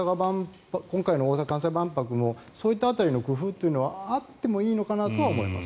今回の大阪・関西万博もそういった辺りの工夫はあってもいいのかなとは思います。